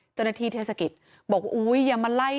เจ้าหน้าที่เทศกิษบอกว่าอย่ามาไหล่